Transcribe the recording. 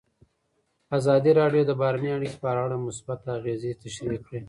ازادي راډیو د بهرنۍ اړیکې په اړه مثبت اغېزې تشریح کړي.